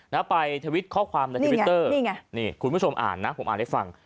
แล้วไปทวิตข้อความในทวิตเตอร์คุณผู้ชมอ่านนะผมอ่านได้ฟัง